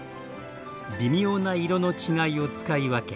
微妙な色の違いを使い分け